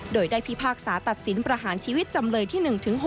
โดยได้พิพากษาตัดสินประหารชีวิตจำเลยที่๑๖